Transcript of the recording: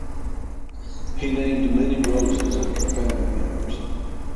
He named many roses after family members.